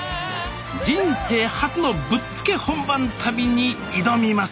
人生初のぶっつけ本番旅に挑みます